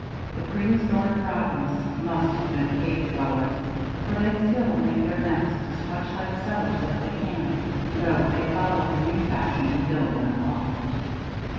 The prehistoric robins must have been cave dwellers, for they still make their nests as much like cellars as they can, though they follow the new fashion and build them aloft.